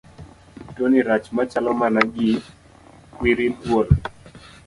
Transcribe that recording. Tuoni rach machalo mana gi kwiri thuol.